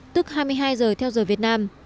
tức hai mươi hai giờ theo giờ việt nam